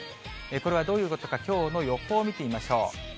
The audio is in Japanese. これはどういうことか、きょうの予報を見てみましょう。